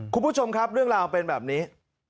คุณผู้ชมครับเรื่องราวเป็นแบบนี้